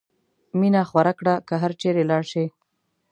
مینه خوره کړه که هر چېرې لاړ شې.